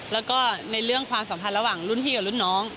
แล้วก็ในเรื่องความสัมพันธ์ระหว่างรุ่นพี่กับรุ่นน้อง